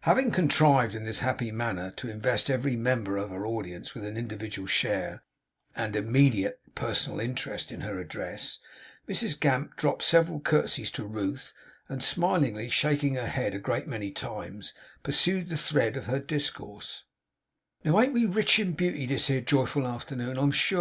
Having contrived, in this happy manner, to invest every member of her audience with an individual share and immediate personal interest in her address, Mrs Gamp dropped several curtseys to Ruth, and smilingly shaking her head a great many times, pursued the thread of her discourse: 'Now, ain't we rich in beauty this here joyful arternoon, I'm sure.